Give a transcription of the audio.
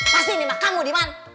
pasti ini mah kamu diman